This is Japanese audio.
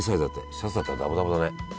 シャツだったらダボダボだね。